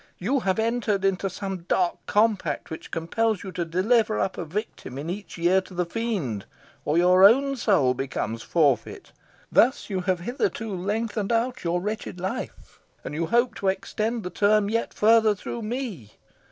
"You have entered into some dark compact, which compels you to deliver up a victim in each year to the Fiend, or your own soul becomes forfeit. Thus you have hitherto lengthened out your wretched life, and you hope to extend the term yet farther through me.